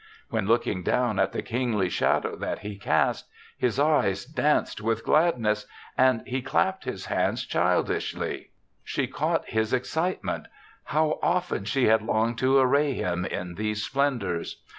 When, looking down at the kingly shadow that he cast, his eyes danced with gladness and he clapped his hands childishly, she caught his 48 THE SEVENTH CHRISTMAS excitement. How often she had longed to array him in these splen dors!